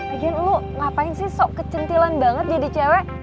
lagi lo ngapain sih sok kecantilan banget jadi cewek